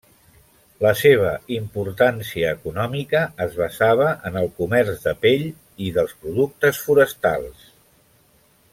La seva importància econòmica es basava en el comerç de pells i dels productes forestals.